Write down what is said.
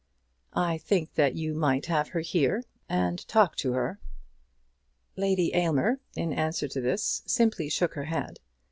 "I think that you might have her here, and talk to her." Lady Aylmer, in answer to this, simply shook her head.